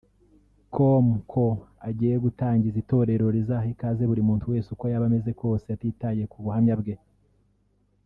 com ko agiye gutangiza itorero rizaha ikaze buri muntu wese uko yaba ameze kose atitaye ku buhamya bwe